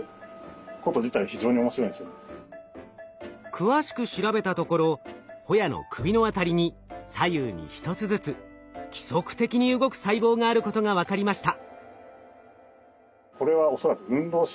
詳しく調べたところホヤの首の辺りに左右に１つずつ規則的に動く細胞があることが分かりました。